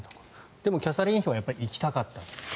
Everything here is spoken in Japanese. でもキャサリン妃は行きたかった。